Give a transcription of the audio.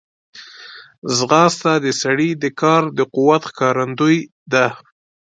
ځغاسته د سړي د کار د قوت ښکارندوی ده